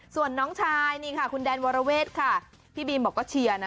ส่วนน้องชายคุณแดนวารเวทค่ะพี่บีมก็เชียร์นะ